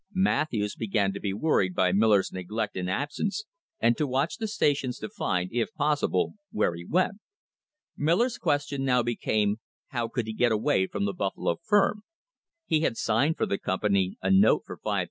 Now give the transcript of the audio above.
Matthews began to be worried by Miller's neglect and absence, and to watch the stations to find, if possible, where he went. Miller's question now became, how could he get away from the Buffalo firm? He had signed for the company a note for $5,000.